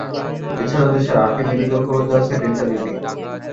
এছাড়া দেশের আটটি মেডিকেল কলেজে আছে ডেন্টাল ইউনিট।